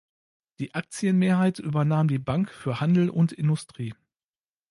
Die Aktienmehrheit übernahm die Bank für Handel und Industrie.